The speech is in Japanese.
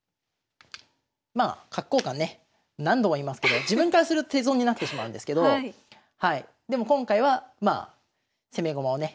まあ角交換ね何度も言いますけど自分からすると手損になってしまうんですけどでも今回はまあ攻め駒をね